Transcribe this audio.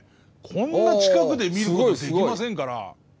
こんな近くで見ることできませんから。